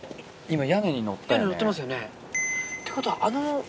屋根に乗ってますよねってことはあの。